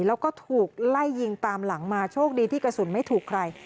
แล้วก็ถูกไล่ยิงตามหลังมาโชคดีที่กระสุนไม่ถูกใคร